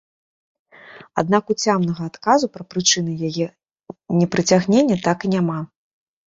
Аднак уцямнага адказу пра прычыны яе непрацягнення так і няма.